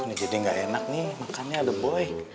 nih jadi gak enak nih makannya ada boy